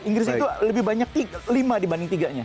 inggris itu lebih banyak lima dibanding tiga nya